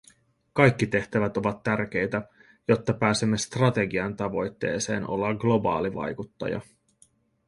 Kaikki tehtävät ovat tärkeitä, jotta pääsemme strategian tavoitteeseen olla globaali vaikuttaja.